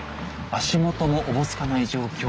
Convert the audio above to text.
足元もおぼつかない状況。